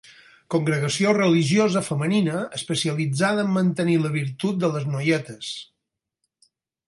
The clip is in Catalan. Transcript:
Congregació religiosa femenina especialitzada en mantenir la virtut de les noietes.